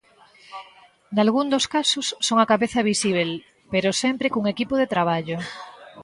Nalgún dos casos son a cabeza visíbel, pero sempre cun equipo de traballo.